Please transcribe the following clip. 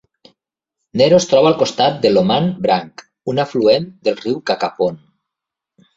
Nero es troba al costat de Loman Branch, un afluent del riu Cacapon.